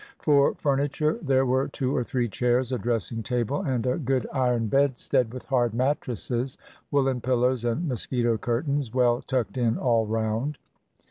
For furniture there were two or three chairs, a dressing table, and a good iron bedstead with hard mattresses, woolen pillows, and mos quito curtains, well tucked in all round.